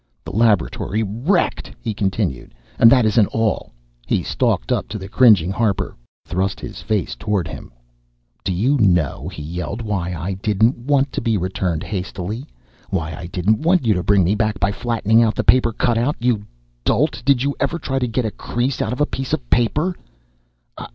"The laboratory wrecked," he continued, "and that isn't all!" He stalked up to the cringing Harper, thrust his face toward him. "Do you know," he yelled, "why I didn't want to be returned hastily why I didn't want you to bring me back by flattening out the paper cutout? You dolt, did you ever try to get a crease out of a piece of paper?"